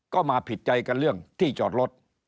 ก็มาผิดใจกันเรื่องที่จอดรถ